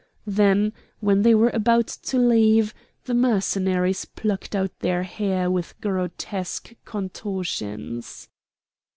Then, when they were about to leave, the Mercenaries plucked out their hair with grotesque contortions.